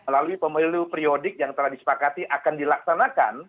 lalu pemilu periodik yang telah disepakati akan dilaksanakan